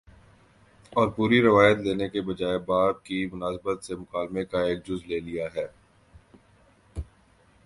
اور پوری روایت لینے کے بجائے باب کی مناسبت سے مکالمے کا ایک جز لے لیا ہے